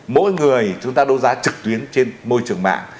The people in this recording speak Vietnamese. mỗi người chúng ta đấu giá trực tuyến trên môi trường mạng